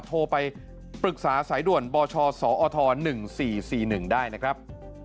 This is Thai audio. โทรไปปรึกษาสายด่วนบชสอท๑๔๔๑ได้นะครับ